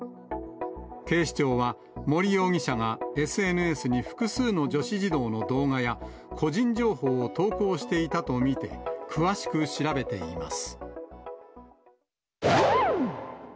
警視庁は森容疑者が、ＳＮＳに複数の女子児童の動画や、個人情報を投稿していたと見て、詳しく調べています。